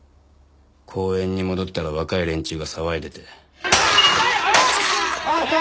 公園に戻ったら若い連中が騒いでて。